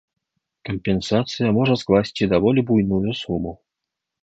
Кампенсацыя можа скласці даволі буйную суму.